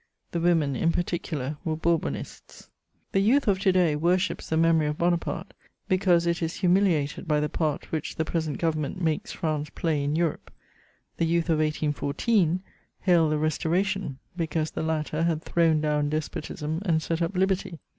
The women in particular were Bourbonists. The youth of to day worships the memory of Bonaparte, because it is humiliated by the part which the present Government makes France play in Europe; the youth of 1814 hailed the Restoration, because the latter had thrown down despotism and set up liberty.